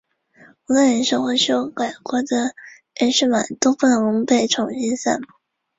大部分国家的独立日也是国庆日。